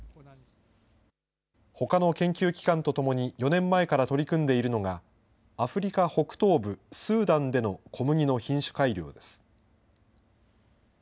ほかの研究機関と共に４年前から取り組んでいるのが、アフリカ北東部スーダンでの小麦の品種改良です。